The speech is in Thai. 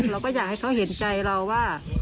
เราก็อยากให้เขาเห็นใจเราว่า